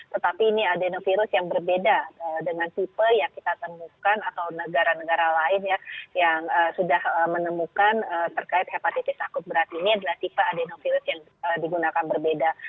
tetapi ini adenovirus yang berbeda dengan tipe yang kita temukan atau negara negara lain ya yang sudah menemukan terkait hepatitis akut berat ini adalah tipe adenovirus yang digunakan berbeda